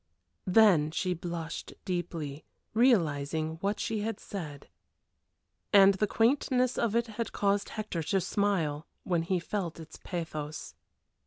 Then she blushed deeply, realizing what she had said. And the quaintness of it caused Hector to smile while he felt its pathos.